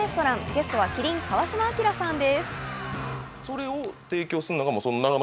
ゲストは麒麟・川島明さんです。